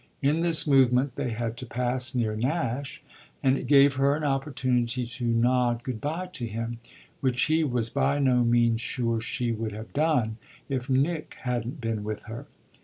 In this movement they had to pass near Nash, and it gave her an opportunity to nod good bye to him, which he was by no means sure she would have done if Nick hadn't been with her.